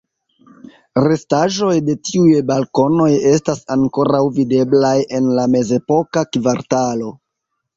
Restaĵoj de tiuj balkonoj estas ankoraŭ videblaj en la mezepoka kvartalo.